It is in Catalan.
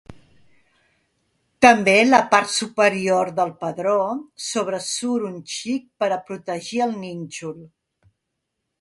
També la part superior del pedró sobresurt un xic per a protecció del nínxol.